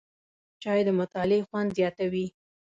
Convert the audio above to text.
چای د مطالعې خوند زیاتوي